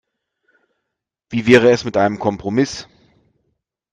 Wie wäre es mit einem Kompromiss?